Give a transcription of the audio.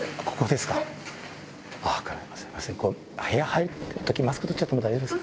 すみません、部屋入るとき、マスク取っちゃって大丈夫ですか。